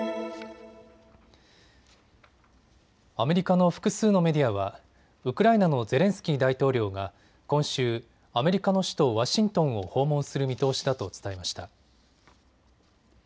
アメリカの複数のメディアはウクライナのゼレンスキー大統領が今週、アメリカの首都ワシントンを訪問する見通しだと伝えました。